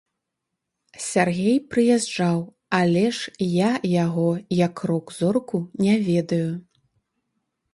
Сяргей прыязджаў, але ж я яго як рок-зорку не ведаю.